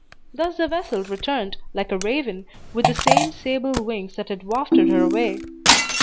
Thus the vessel returned, like a raven, with the same sable wings that had wafted her away.